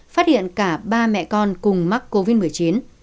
phát hiện cả ba mẹ con cùng mắc covid một mươi chín